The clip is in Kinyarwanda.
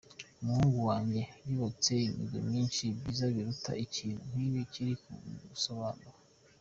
Umuhungu wanjye yubatse ibigwi byinshi byiza biruta ikintu kibi kiri kumusobanura.